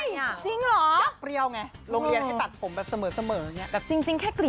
เฮ้ยจริงหรอ